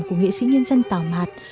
của nghị sĩ nhân dân tào mạt